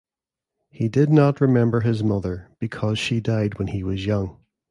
He did not remember his mother because she died when he was young.